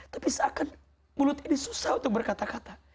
tapi seakan mulut ini susah untuk berkata kata